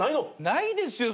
ないですよ